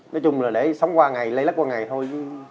nói chung là để sống qua ngày lây lắc qua ngày thôi